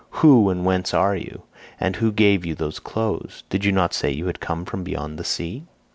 Who, and whence are you, and who gave you those clothes? Did you not say you had come here from beyond the sea?"